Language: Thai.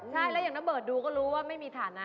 ใช่แล้วอย่างนเบิร์ตดูก็รู้ว่าไม่มีฐานะ